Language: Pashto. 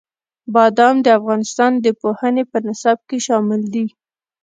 بادام د افغانستان د پوهنې په نصاب کې شامل دي.